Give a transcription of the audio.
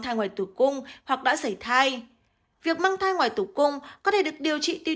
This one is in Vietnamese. thai ngoài tử cung hoặc đã xảy thai việc mang thai ngoài tử cung có thể được điều trị tiên